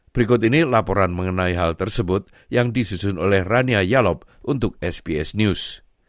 berikut ini laporan mengenai hal tersebut yang disusun oleh rania yalob untuk sps news